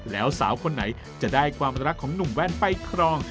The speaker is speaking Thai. แล้วสาวคนไหนจะได้ความรักของหนุ่มแว่นไปครอง